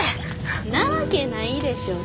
なわけないでしょ。